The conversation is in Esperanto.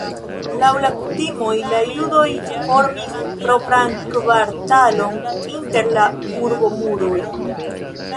Laŭ la kutimoj la judoj formis propran kvartalon inter la urbomuroj.